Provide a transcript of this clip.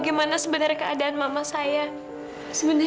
insya allah eka